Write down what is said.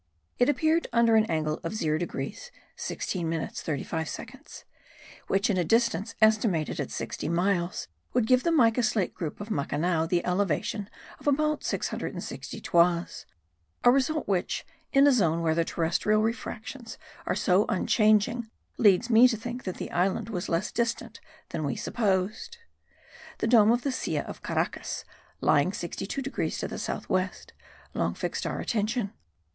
It appeared under an angle of 0 degrees 16 minutes 35 seconds; which in a distance estimated at sixty miles would give the mica slate group of Macanao the elevation of about 660 toises, a result which, in a zone where the terrestrial refractions are so unchanging, leads me to think that the island was less distant than we supposed. The dome of the Silla of Caracas, lying 62 degrees to the south west, long fixed our attention.